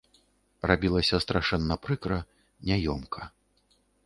Рабілася страшэнна прыкра, няёмка.